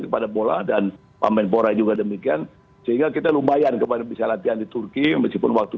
pamen pora juga demikian sehingga kita lumayan kepada bisa latihan di turki meskipun waktu